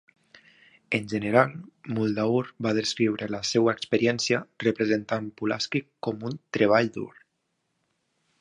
En general, Muldaur va descriure la seva experiència representant Pulaski com un "treball dur".